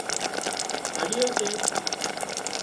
هاڏيو سي